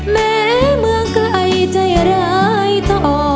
แม้เมืองไกลใจร้ายต่อ